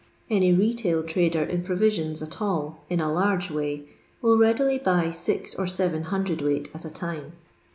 Any retail trader in provisions at all *• in a large way," will readily buy six or seven cwt. at a time.